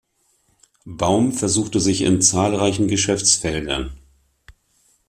Baum versuchte sich in zahlreichen Geschäftsfeldern.